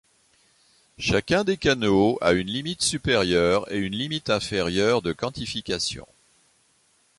Chacun des canaux à une limite supérieure et une limite inférieure de quantification.